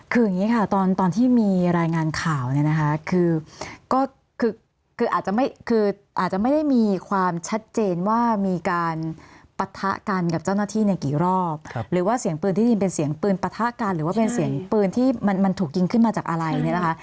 คืออย่างนี้ค่ะตอนที่มีรายงานข่าวเนี่ยนะคะคือก็คืออาจจะไม่คืออาจจะไม่ได้มีความชัดเจนว่ามีการปะทะกันกับเจ้าหน้าที่ในกี่รอบหรือว่าเสียงปืนที่ได้ยินเป็นเสียงปืนปะทะกันหรือว่าเป็นเสียงปืนที่มันถูกยิงขึ้นมาจากอะไรเนี่ยนะคะ